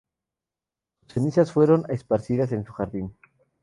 Sus cenizas fueron esparcidas en su jardín.